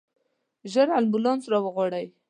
ژر امبولانس راوغواړئ.